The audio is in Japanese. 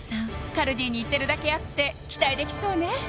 カルディに行ってるだけあって期待できそうね